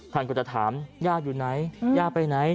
ท่านก็จะถามย่าอยู่ไหนย่าไปไหน